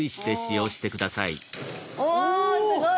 おすごい！